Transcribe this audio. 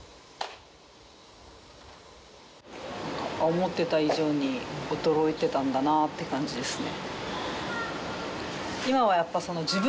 思ってた以上に衰えてたんだなあって感じですね。